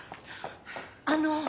あの。